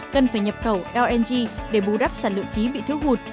cần phải nhập khẩu lng để bù đắp sản lượng khí bị thiếu hụt